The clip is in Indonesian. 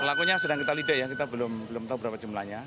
pelakunya sedang kita lidik ya kita belum tahu berapa jumlahnya